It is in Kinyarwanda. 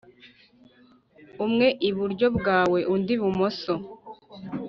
umwe iburyo bwawe undi ibumoso